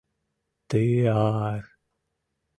Ты-а-а-р.